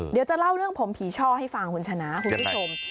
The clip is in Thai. เดี๋ยวจะเล่าเรื่องผมผีช่อให้ฟังคุณชนะคุณผู้ชม